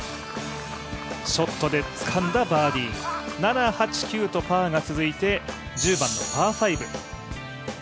ショットでつかんだバーディー７、８、９とパーが続いて１０番のパー５。